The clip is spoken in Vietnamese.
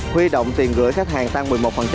huy động tiền gửi khách hàng tăng một mươi một